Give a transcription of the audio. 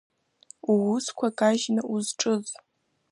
Уусқәа кажьны узҿыз?